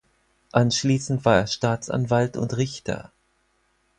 Anschließend war er Staatsanwalt und Richter.